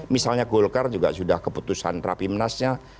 misalnya golkar juga sudah keputusan rapimnasnya